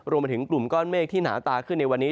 รวมไปถึงกลุ่มก้อนเมฆที่หนาตาขึ้นในวันนี้